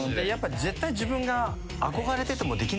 絶対自分が。